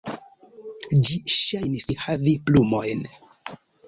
Ĝi ŝajnis havi plumojn.